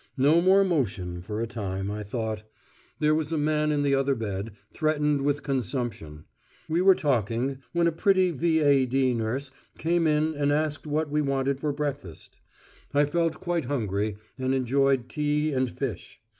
No more motion for a time, I thought. There was a man in the other bed, threatened with consumption. We were talking, when a pretty V.A.D. nurse came in and asked what we wanted for breakfast. I felt quite hungry, and enjoyed tea and fish.